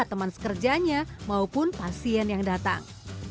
teman sekerjanya maupun pasien yang datang